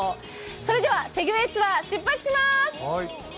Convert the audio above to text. それでは、セグウェイツアー出発しまーす。